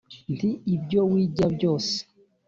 nti: ibyo wigira byose